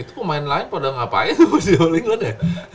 itu pemain lain pada ngapain mas di all england ya